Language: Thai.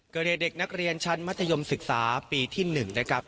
เกิดเหตุเด็กนักเรียนชั้นมัธยมศึกษาปีที่๑นะครับ